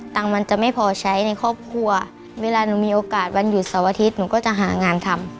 ตังค์มันจะไม่พอใช้ในครอบครัวเวลาหนูมีโอกาสวันหยุดเสาร์อาทิตย์หนูก็จะหางานทำ